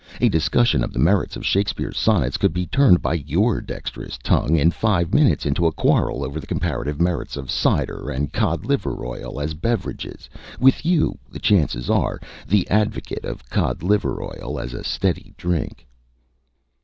A discussion of the merits of Shakespeare's sonnets could be turned by your dexterous tongue in five minutes into a quarrel over the comparative merits of cider and cod liver oil as beverages, with you, the chances are, the advocate of cod liver oil as a steady drink."